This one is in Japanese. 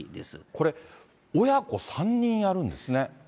これ、親子３人やるんですね。